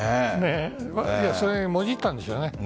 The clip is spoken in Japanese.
それをもじったんでしょうね。